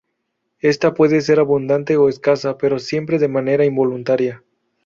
Ésta puede ser abundante o escasa, pero siempre de manera involuntaria.